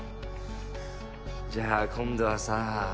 じゃあ今度はさ